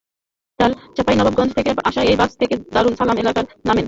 তাঁরা চাঁপাইনবাবগঞ্জ থেকে আসা একটি বাস থেকে দারুস সালাম এলাকায় নামেন।